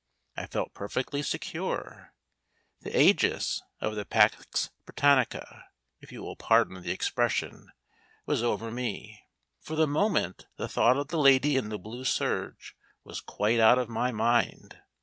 I felt perfectly secure. The ægis of the pax Britannica if you will pardon the expression was over me. For the moment the thought of the lady in the blue serge was quite out of my mind.